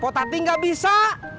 kota ati gak bisa